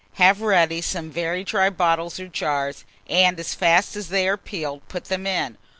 Have ready some very dry bottles or jars, and as fast as they are peeled, put them in.